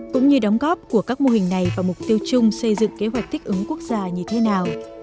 cũng như đóng góp của các mô hình này vào mục tiêu chung xây dựng kế hoạch thích ứng quốc gia như thế nào